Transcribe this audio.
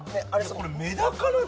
これメダカなの？